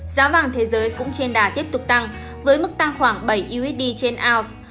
giá vàng thế giới cũng trên đà tiếp tục tăng với mức tăng khoảng bảy usd trên ounce